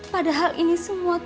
padahal ini semua